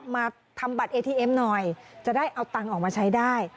มาทำบัตรเอทีเอ็มหน่อยจะได้เอาตังค์ออกมาใช้ได้